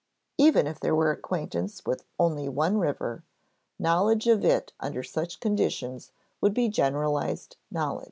Even if there were acquaintance with only one river, knowledge of it under such conditions would be generalized knowledge.